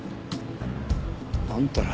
あんたら。